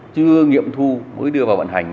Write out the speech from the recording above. chưa nghiệm thu mới đưa vào vận hành